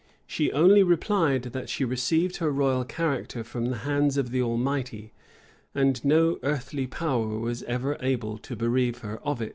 She only replied, that she received her royal character from the hands of the Almighty, and no earthly power was ever able to bereave her of it.